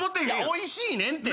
おいしいねんて。